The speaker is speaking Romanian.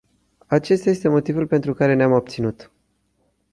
Acesta este motivul pentru care ne-am abținut.